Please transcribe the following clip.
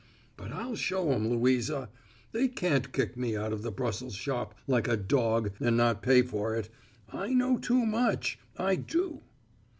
"But I'll show 'em, Louisa! They can't kick me out of the Brussels shop like a dog and not pay for it! I know too much, I do!"